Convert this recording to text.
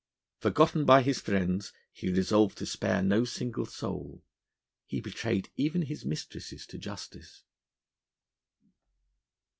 Forgotten by his friends, he resolved to spare no single soul: he betrayed even his mistresses to justice.